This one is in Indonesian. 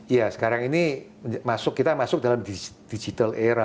iya sekarang ini kita masuk dalam digital era